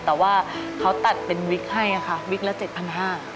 แต่ว่าเขาตัดเป็นวิกให้ค่ะวิกละ๗๕๐๐บาท